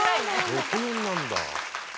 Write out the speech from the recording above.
６：４なんだ。